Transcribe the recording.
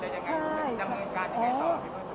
พี่คิดว่าเข้างานทุกครั้งอยู่หรือเปล่า